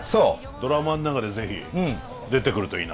ドラマの中で是非出てくるといいな。